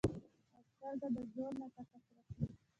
او سترګه د زور نه تکه سره شي